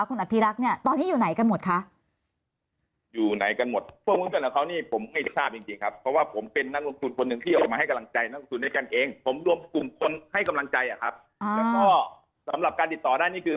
กลุ่มคนให้กำลังใจอ่ะครับแล้วก็สำหรับการติดต่อด้านนี้คือ